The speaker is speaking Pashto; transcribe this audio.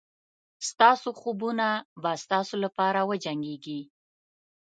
ستاسو خوبونه به ستاسو لپاره وجنګېږي.